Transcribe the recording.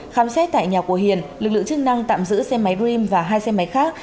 khám xét tại nhà của hiền lực lượng chức năng tạm giữ xe máy dream và hai xe máy khác